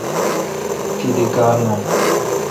تی دی کار نان۔